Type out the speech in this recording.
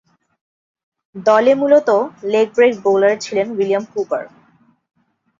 দলে মূলতঃ leg break bowler ছিলেন উইলিয়াম কুপার।